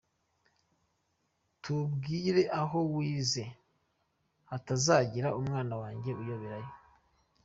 Tubwire aho wize hatazagira umwana wanjye uyoberayo.